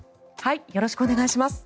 よろしくお願いします。